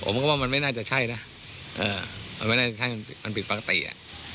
ผมก็ว่ามันไม่น่าจะใช่นะมันไม่น่าจะใช่มันผิดปกติอ่ะ